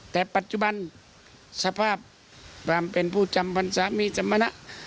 แต่ปัจจุบันสภาพความเป็นผู้จำบรรษามีสมณะ